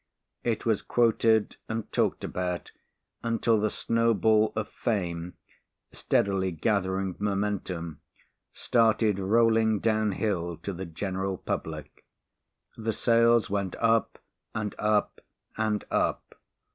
It was quoted and talked about until the snowball of fame, steadily gathering momentum, started rolling down hill to the general public. The sales went up and up and up.